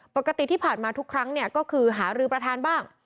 ปกติที่ผ่านมาทุกครั้งก็คือหารือประธานบ้าง